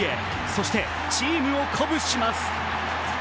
そして、チームを鼓舞します。